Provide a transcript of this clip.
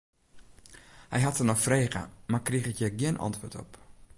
Hy hat der nei frege, mar kriget hjir gjin antwurd op.